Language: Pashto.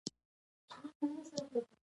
سمندري بندر د سمندر غاړې ښار دی.